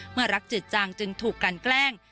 เมื่อรักจิตจังจึงถูกกันแกล้ง